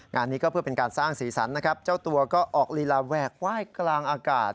งานนี้ก็เพื่อเป็นการสร้างสีสันนะครับเจ้าตัวก็ออกลีลาแหวกไหว้กลางอากาศ